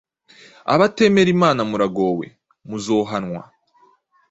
abatemera Imana Muragowe Muzohanwa,